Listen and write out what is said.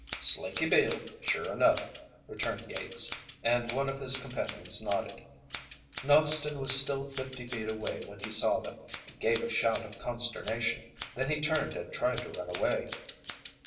"Slinky Bill, sure enough," returned Yates, and one of his companions nodded. Noxton was still fifty feet away when he saw them, and gave a shout of consternation. Then he turned and tried to run away.